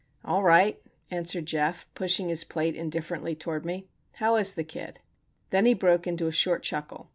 "All right," answered Geof, pushing his plate indifferently toward me. "How is the kid?" Then he broke into a short chuckle.